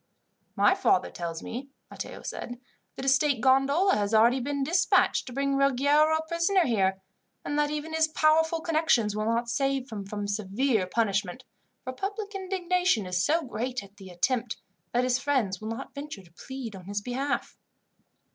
"My father tells me," Matteo said, "that a state gondola has already been dispatched to bring Ruggiero a prisoner here, and that even his powerful connections will not save him from severe punishment, for public indignation is so great at the attempt, that his friends will not venture to plead on his behalf."